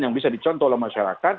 yang bisa dicontoh oleh masyarakat